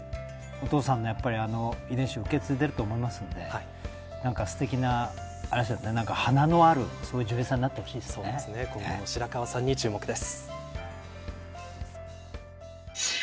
お父さんの遺伝子を受け継いでいると思いますんですてきな華のある女優さんに今後の白河さんに注目です。